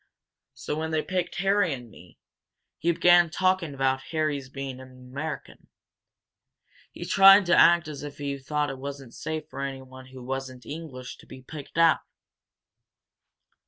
So when they picked Harry and me, he began talking about Harry's being an American. He tried to act as if he thought it wasn't safe for anyone who wasn't English to be picked out!"